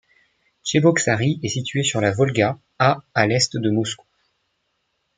Tcheboksary est située sur la Volga, à à l’est de Moscou.